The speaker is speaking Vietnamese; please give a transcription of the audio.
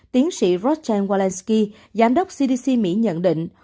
tiến sĩ roger walensky giám đốc cdc mỹ nhận định